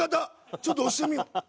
ちょっと押してみよう。